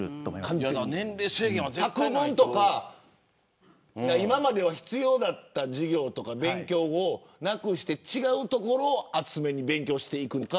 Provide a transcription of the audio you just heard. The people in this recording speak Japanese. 作文とか今まで必要だった授業をなくして違うところを厚めに勉強していくのか。